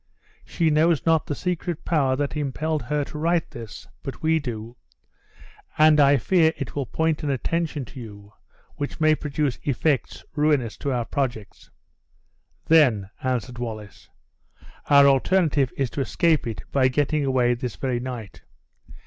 She knows not the secret power that impelled her to write this, but we do; and I fear it will point an attention to you which may produce effects ruinous to our projects." "Then," answered Wallace, "our alternative is to escape it by getting away this very night.